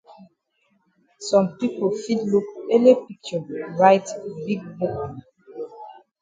Some pipo fit look ele picture write big book.